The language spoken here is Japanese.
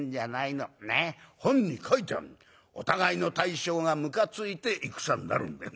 お互いの大将がむかついて戦になるんだ。